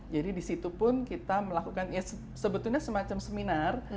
jadi disitu pun kita melakukan ya sebetulnya semacam seminar